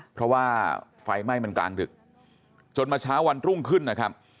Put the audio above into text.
เพราะว่าไฟไหม้มันกลางดึกจนมาเช้าวันรุ่งขึ้นนะครับ